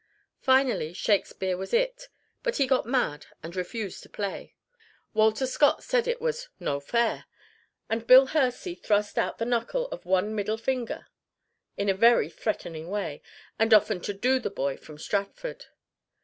Finally Shakespeare was "it," but he got mad and refused to play. Walter Scott said it was "no fair," and Bill Hursey thrust out the knuckle of one middle finger in a very threatening way and offered to "do" the boy from Stratford.